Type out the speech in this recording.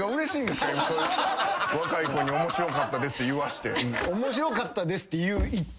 若い子に「面白かったです」って言わせて。